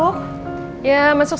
ma aku sama rena boleh masuk